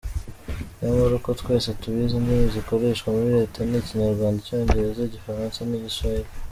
Nyamara uko twese tubizi indimi zikoreshwa muri Leta ni Ikinyarwanda, Icyongereza, Igifaransa n’Igiswahili.